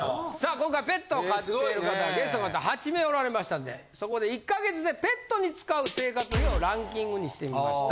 今回ペットを飼ってる方ゲストの方８名おられましたんでそこで１か月でペットに使う生活費をランキングにしてみました。